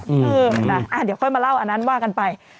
เออนะเดี๋ยวค่อยมาเล่าอันนั้นว่ากันไป